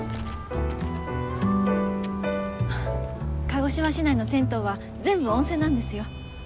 鹿児島市内の銭湯は全部温泉なんですよ。